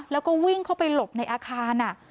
แล้วก็วิ่งเข้าไปหลบในอาคาร